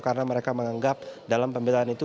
karena mereka menganggap dalam pembelaan itu